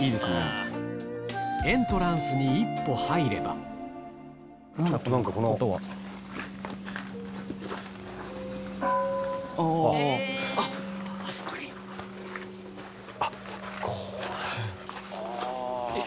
エントランスに一歩入ればあっ！